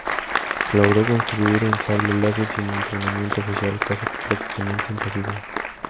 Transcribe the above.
Logró construir un sable láser sin entrenamiento oficial, cosa prácticamente imposible.